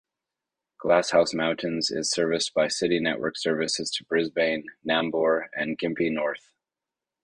Glasshouse Mountains is serviced by City network services to Brisbane, Nambour and Gympie North.